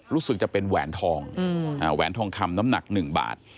รู้สึกจะเป็นแหวนทองแหวนทองคำน้ำหนัก๑บาท